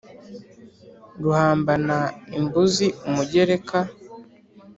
ruhambana imbuzi umugereka